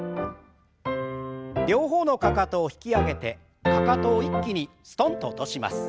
両方のかかとを引き上げてかかとを一気にすとんと落とします。